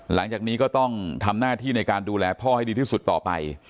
หลังจากนี้ก็ต้องทำหน้าที่ในการดูแลพ่อให้ดีที่สุดต่อไป